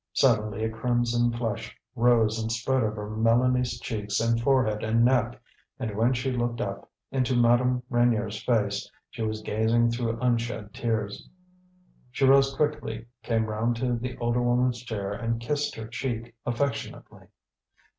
Suddenly a crimson flush rose and spread over Mélanie's cheeks and forehead and neck, and when she looked up into Madame Reynier's face, she was gazing through unshed tears. She rose quickly, came round to the older woman's chair and kissed her cheek affectionately.